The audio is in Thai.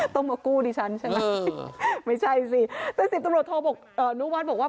ต้องมากู้ดิฉันใช่ไหมไม่ใช่สิแต่สิบตำรวจโทบอกอนุวัฒน์บอกว่า